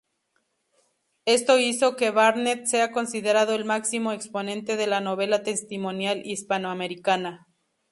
Esto hizo que Barnet sea considerado el máximo exponente de la novela testimonial hispanoamericana.